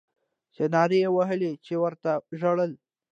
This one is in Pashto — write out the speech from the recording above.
چا نارې وهلې چا ورته ژړله